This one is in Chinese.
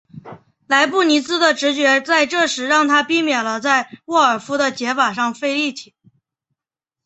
莱布尼兹的直觉在这时让他避免了在沃尔夫的解法上费力气。